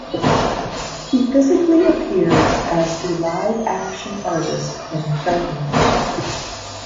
He physically appears as the live-action artist in "Frankendoodle".